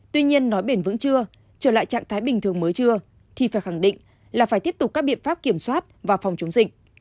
tuy nhiên nói bền vững chưa trở lại trạng thái bình thường mới chưa thì phải khẳng định là phải tiếp tục các biện pháp kiểm soát và phòng chống dịch